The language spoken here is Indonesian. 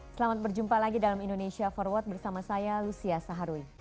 selamat berjumpa lagi dalam indonesia forward bersama saya lucia saharwi